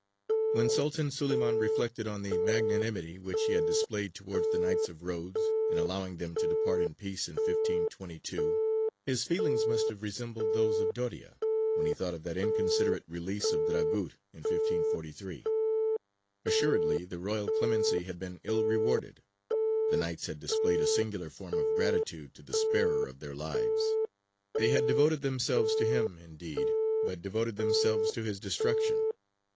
When Sultan Suleymān reflected on the magnanimity which he had displayed towards the Knights of Rhodes in allowing them to depart in peace in 1522, his feelings must have resembled those of Doria when he thought of that inconsiderate release of Dragut in 1543. Assuredly the royal clemency had been ill rewarded; the Knights had displayed a singular form of gratitude to the sparer of their lives; they had devoted themselves to him, indeed, but devoted themselves to his destruction.